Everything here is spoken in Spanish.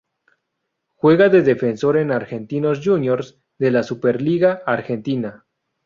Juega de defensor en Argentinos Juniors de la Superliga Argentina.